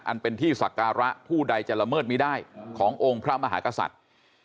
อันเป็นที่ศักระผู้ใดจะละเมิดไม่ได้ขององค์พระมหากษัตริย์